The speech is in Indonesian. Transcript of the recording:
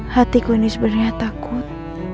hatiku ini sebenernya takut